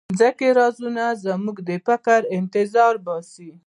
د ځمکې دا رازونه زموږ د فکر انتظار باسي.